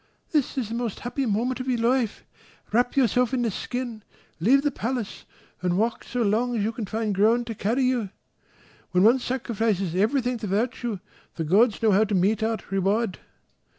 "This is the most happy moment of your life. Wrap yourself in this skin, leave the palace, and walk so long as you can find ground to carry you: when one sacrifices everything to virtue the gods know how to mete out reward.